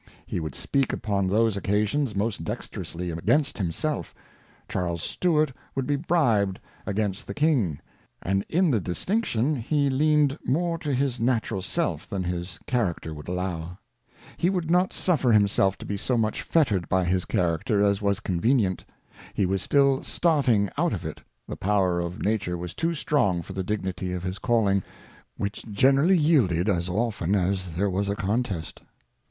He would speak upon those Occasions most dex terously against himself; Charles Stuart would be bribed against the King ; and in the Distinction, he leaned more to his natural Self, than his Character would allow. He would not suffer King Charles II. 203 suffer himself to be so much fettei^d by his Chai acter as was convenient ; he was still starting~6ut of it^ the Power of Nature was too strong for the Dignity of his Calling, which generally yielded as often as there was a contest.